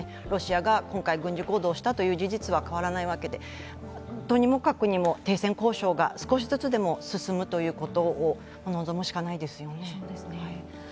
ロシアが今回軍事行動したという事実は変わらないわけでとにもかくにも停戦交渉が少しずつでも進むということを望むしかないですね。